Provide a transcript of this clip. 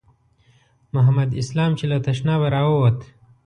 محمد اسلام چې له تشنابه راووت.